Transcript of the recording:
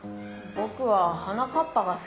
ぼくは「はなかっぱ」がすきだな。